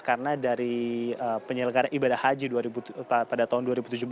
karena dari penyelenggaraan ibadah haji pada tahun dua ribu tujuh belas